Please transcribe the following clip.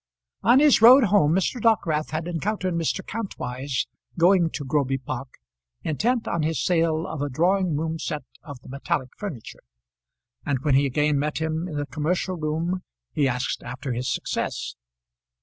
On his road home, Mr. Dockwrath had encountered Mr. Kantwise going to Groby Park, intent on his sale of a drawing room set of the metallic furniture; and when he again met him in the commercial room he asked after his success.